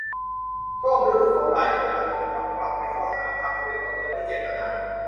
ช่วงฤดูฝนหลายคนมักถูกจับปรับในข้อหา อำพรางทะเบียนรถโดยไม่เจตนา